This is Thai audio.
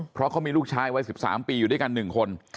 เพราะเขามีลูกชายวัย๑๓ปีอยู่ด้วยกัน๑คน